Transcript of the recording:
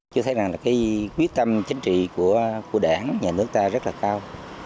chưa thấy rằng là cái quyết tâm chính trị của đảng nhà nước ta rất là cao